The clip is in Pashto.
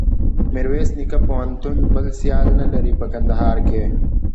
میرویس نیکه پوهنتون بل سیال نلري په کندهار کښي.